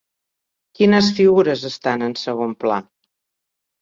Quines figures estan en segon pla?